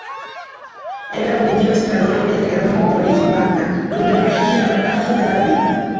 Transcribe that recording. Era un dios creador en Hermópolis Magna, donde regía la "Casa de la Vida".